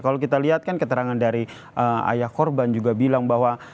kalau kita lihat kan keterangan dari ayah korban juga bilang bahwa